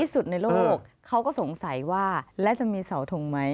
สุดในโลกเขาก็สงสัยว่าแล้วจะมีเสาทงไหม